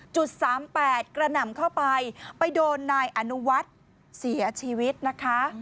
๓๘กระหน่ำเข้าไปไปโดนนายอนุวัฒน์เสียชีวิตนะคะ